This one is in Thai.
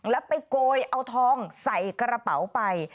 แล้วไปโกยเอาทองใส่กระเป๋าไป